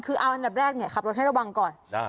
คือเอาอันดับแรกเนี่ยขับรถให้ระวังก่อน